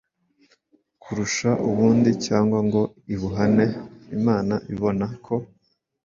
kurusha ubundi cyangwa ngo ibuhane. Imana ibona ko “